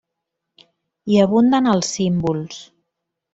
Hi abunden els símbols.